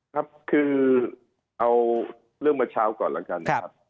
ครับคือเอาเรื่องเมื่อเช้าก่อนแล้วกันนะครับ